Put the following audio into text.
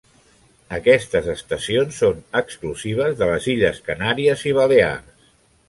Aquestes estacions són exclusives de les illes Canàries i Balears.